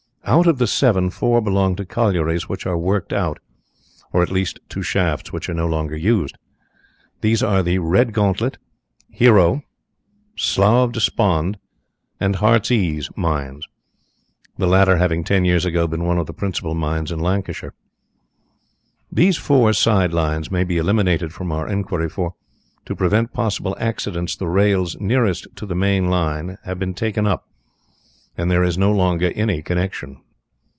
Out of the seven, four belong to collieries which are worked out, or at least to shafts which are no longer used. These are the Redgauntlet, Hero, Slough of Despond, and Heartsease mines, the latter having ten years ago been one of the principal mines in Lancashire. These four side lines may be eliminated from our inquiry, for, to prevent possible accidents, the rails nearest to the main line have been taken up, and there is no longer any connection.